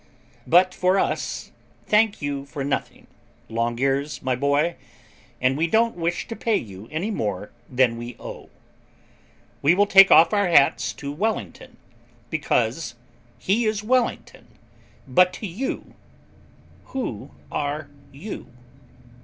But for us, thank you for nothing, Longears my boy, and we don't wish to pay you any more than we owe. We will take off our hats to Wellington because he is Wellington; but to you who are you?'